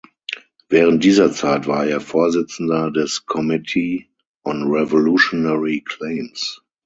Während dieser Zeit war er Vorsitzender des "Committee on Revolutionary Claims".